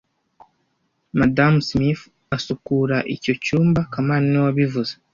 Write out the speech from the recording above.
Madamu Smith asukura icyo cyumba kamana niwe wabivuze